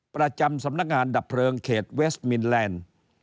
ประจำสำนักงานดับเพลิงเขตเวสมินแลนด์